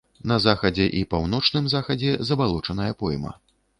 На захадзе і паўночным захадзе забалочаная пойма.